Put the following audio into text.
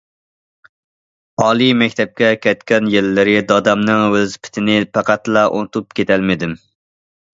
ئالىي مەكتەپكە كەتكەن يىللىرى دادامنىڭ ۋېلىسىپىتىنى پەقەتلا ئۇنتۇپ كېتەلمىدىم.